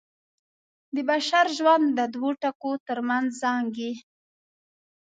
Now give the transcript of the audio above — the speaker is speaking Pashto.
د بشر ژوند د دوو ټکو تر منځ زانګي.